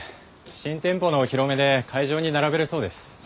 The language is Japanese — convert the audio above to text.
新店舗のお披露目で会場に並べるそうです。